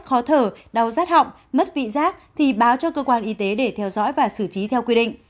khó thở đau rát họng mất vị giác thì báo cho cơ quan y tế để theo dõi và xử trí theo quy định